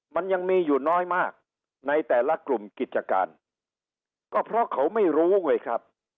มันยังมีอยู่น้อยมากในแต่ละกลุ่มกิจการก็เพราะเขาไม่รู้ไงครับ